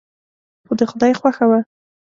خو د خدای خوښه وه.